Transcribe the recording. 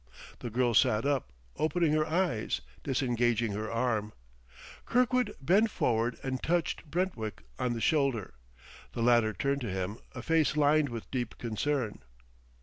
The girl sat up, opening her eyes, disengaging her arm. Kirkwood bent forward and touched Brentwick on the shoulder; the latter turned to him a face lined with deep concern.